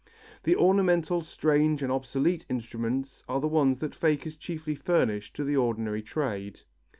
The ornamental, strange and obsolete instruments are the ones that fakers chiefly furnish to the ordinary trade.